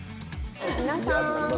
「皆さん！